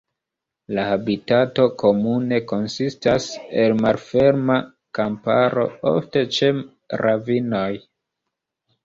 La habitato komune konsistas el malferma kamparo, ofte ĉe ravinoj.